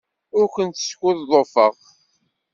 Ur kent-skuḍḍufeɣ.